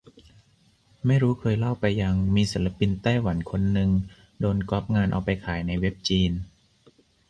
ไม่รู้เคยเล่าไปยัง มีศิลปินไต้หวันคนนึง โดนก็อปงานเอาไปขายในเว็บจีน